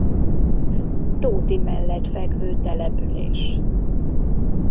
Tóti mellett fekvő település.